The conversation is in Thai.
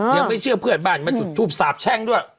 ยังไม่เชื่อเพื่อนบ้านมาจุดทูปสาบแช่งด้วย